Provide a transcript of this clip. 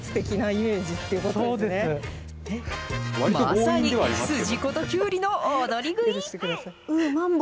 まさに筋子ときゅうりの踊り食い。